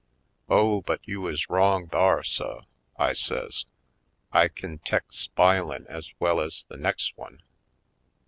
"Oh, but you is wrong thar, suh," I says. "I kin tek spilin' ez well ez the nex' one.